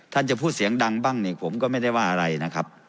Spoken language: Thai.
จะพูดเสียงดังบ้างนี่ผมก็ไม่ได้ว่าอะไรนะครับ